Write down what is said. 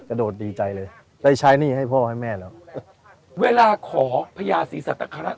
โดดดีใจเลยได้ใช้หนี้ให้พ่อให้แม่แล้วเวลาขอพญาศรีสัตคราช